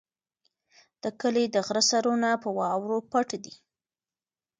د کلي د غره سرونه په واورو پټ دي.